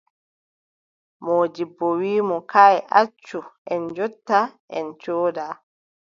Moodibbo wii mo : kaay, accu en njotta, en cooda.